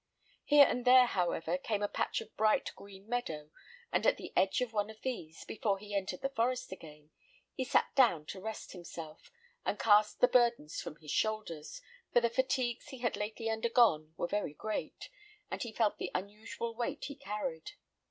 Here and there, however, came a patch of bright green meadow, and at the edge of one of these, before he entered the forest again, he sat down to rest himself, and cast the burdens from his shoulders, for the fatigues he had lately undergone were very great, and he felt the unusual weight he carried.